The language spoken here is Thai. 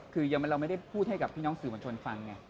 คือเราไม่ได้พูดให้กับพี่น้องสื่อมวลชนฟังไง